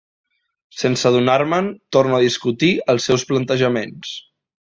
Sense adonar-me'n torno a discutir els seus plantejaments.